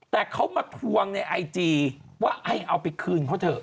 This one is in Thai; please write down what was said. แต่เขามาทวงในไอจีว่าให้เอาไปคืนเขาเถอะ